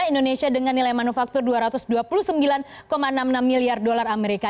indonesia dengan nilai manufaktur dua ratus dua puluh sembilan enam puluh enam miliar dolar amerika